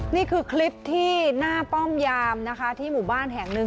นี่คือคลิปที่หน้าป้อมยามนะคะที่หมู่บ้านแห่งหนึ่ง